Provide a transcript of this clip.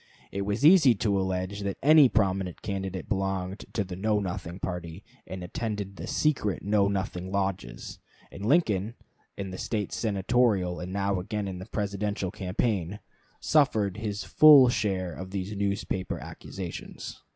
It was easy to allege that any prominent candidate belonged to the Know Nothing party, and attended the secret Know Nothing lodges; and Lincoln, in the late Senatorial, and now again in the Presidential, campaign, suffered his full share of these newspaper accusations.